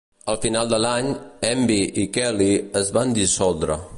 Al final de l'any, Hemby i Kelley es van dissoldre.